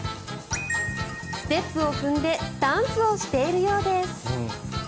ステップを踏んでダンスをしているようです。